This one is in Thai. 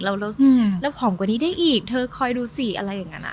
แล้วผอมกว่านี้ได้อีกเธอคอยดูสิอะไรอย่างนั้น